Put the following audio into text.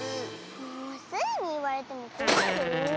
もうスイにいわれてもこまるよ。